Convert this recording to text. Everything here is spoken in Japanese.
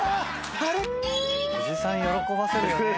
おじさん喜ばせるよね。